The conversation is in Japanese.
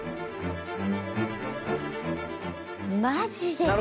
マジでか！